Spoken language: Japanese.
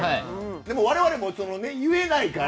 でも、我々も言えないから。